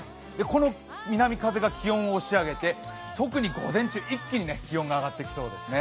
この南風が気温を押し上げて特に午前中、一気に気温が上がってきそうですね。